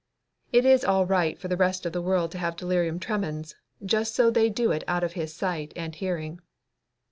It is all right for the rest of the world to have delirium tremens, just so they do it out of his sight and hearing.